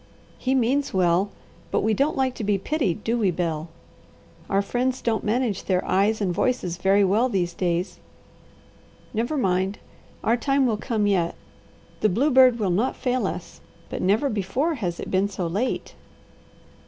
He means well, but we don't like to be pitied, do we, Bel? Our friends don't manage their eyes and voices very well these days. Never mind! Our time will come yet. The bluebird will not fail us, but never before has it been so late."